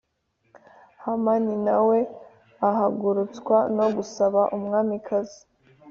Hamani na we ahagurutswa no gusaba umwamikazi